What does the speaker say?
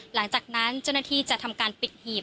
หลังจากนั้นเจ้าหน้าที่จะทำการปิดหีบ